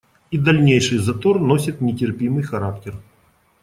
И дальнейший затор носит нетерпимый характер.